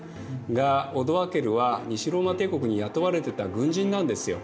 がオドアケルは西ローマ帝国に雇われてた軍人なんですよ。